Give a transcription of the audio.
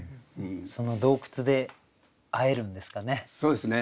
その洞窟で会えるんですかね？